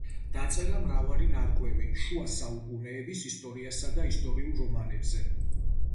დაწერა მრავალი ნარკვევი შუა საუკუნეების ისტორიასა და ისტორიულ რომანებზე.